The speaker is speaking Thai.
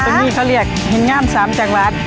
คนนี้เขาเรียกหินงามสามจังหวัด